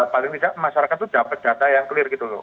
paling tidak masyarakat itu dapat data yang clear gitu loh